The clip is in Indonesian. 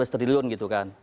lima belas triliun gitu kan